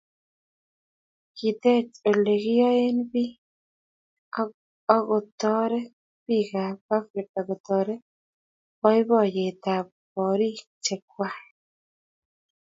Kiteech oleginyoen biik agotoret biikab Africa kotoret boiboyetab boriik chekwai